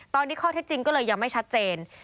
ตอนนี้ข้อเท็จจริงก็เลยยังไม่ชัดเจน